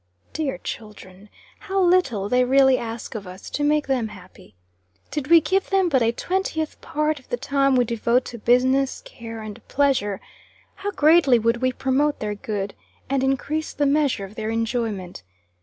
Dear children! How little they really ask of us, to make them happy. Did we give them but a twentieth part of the time we devote to business, care, and pleasure, how greatly would we promote their good, and increase the measure of their enjoyment.